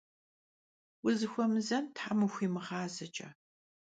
Vuzıxuemızen them vuxuimığazeç'e!